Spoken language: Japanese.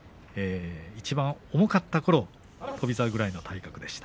いちばん重かったころ翔猿くらいの体格でした。